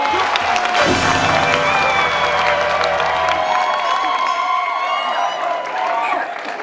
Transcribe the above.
หยุดครับ